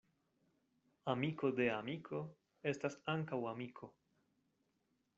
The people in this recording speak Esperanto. Amiko de amiko estas ankaŭ amiko.